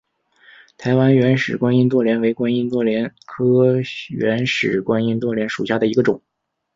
台湾原始观音座莲为观音座莲科原始观音座莲属下的一个种。